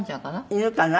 犬かな？